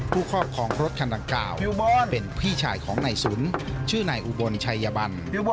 ผู้ครอบของรถคันตั้งเก่าเป็นพี่ชายของไหนสนชื่อไหนอุบลชัยบัน